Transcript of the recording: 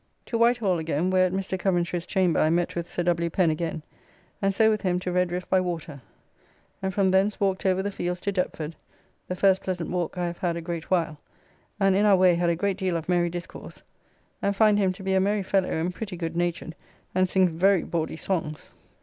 To Whitehall again, where at Mr. Coventry's chamber I met with Sir W. Pen again, and so with him to Redriffe by water, and from thence walked over the fields to Deptford (the first pleasant walk I have had a great while), and in our way had a great deal of merry discourse, and find him to be a merry fellow and pretty good natured, and sings very bawdy songs.